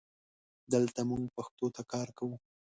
دلته مونږ پښتو ته کار کوو